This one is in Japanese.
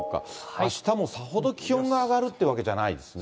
あしたもさほど気温が上がるってわけじゃないですね。